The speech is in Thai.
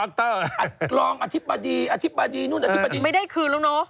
รองอธิบดีอธิบดีนู่นอธิบดีไม่ได้คืนแล้วเนอะ